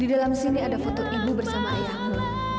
di dalam sini ada foto ibu bersama ayahmu